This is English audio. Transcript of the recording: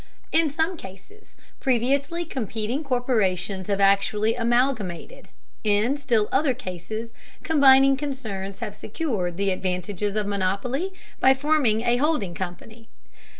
In some cases previously competing corporations have actually amalgamated; in still other cases, combining concerns have secured the advantages of monopoly by forming a holding company.